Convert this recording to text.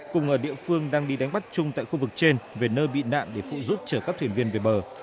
cùng ở địa phương đang đi đánh bắt chung tại khu vực trên về nơi bị nạn để phụ giúp chở các thuyền viên về bờ